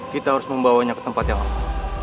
kita harus membawanya ke tempat yang lain